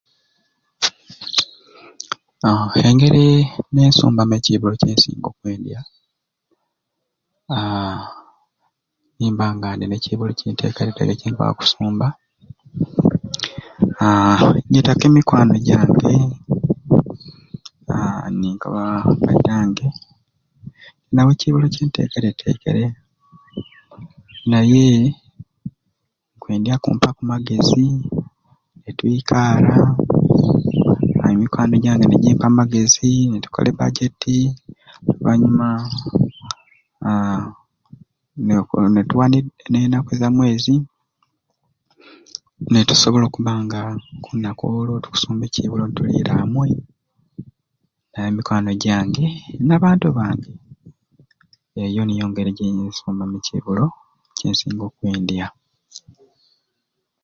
Aaa engeri nensumbamu ecibulo kyensinga okwendya aaa nimbanga ndina ecibulo kyentekeretekere cinkwakusumba aaa ny'etaku emikwano jange aaa ninkoba bairange ninawo ecibulo kyentekeretekere naye nkwendya kumpa kumagezi nitwikaara aa emikwano jange nijimpa amagezi nitukola ebajeeti oluvanyuma aaa neko nituwa nenaku zamwezi netusobola okuba nga okulunaku olwo tukusumba ekibulo nituliira amwei nemikwago jange nabantu abandi eyo niyo ngeri jenyinza okusumbamu ecibulo kyensinga okwendya.